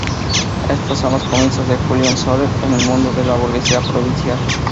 Estos son los comienzos de Julien Sorel en el mundo de la burguesía provincial.